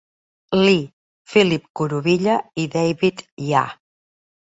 Lee, Philip Kuruvilla i David Yah.